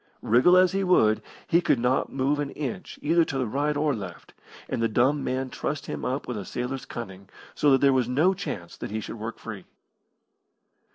Wriggle as he would he could not move an inch either to the right or left, and the dumb man trussed him up with a sailor's cunning, so that there was no chance that he should work free.